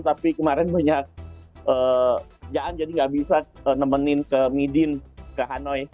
tapi kemarin banyak jaan jadi nggak bisa nemenin ke midin ke hanoi